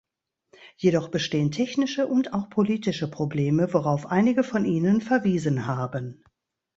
Jedoch bestehen technische und auch politische Probleme, worauf einige von Ihnen verwiesen haben.